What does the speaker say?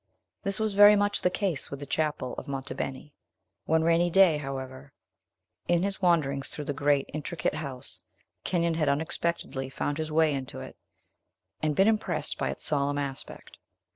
This was very much the case with the chapel of Monte Beni. One rainy day, however, in his wanderings through the great, intricate house, Kenyon had unexpectedly found his way into it, and been impressed by its solemn aspect.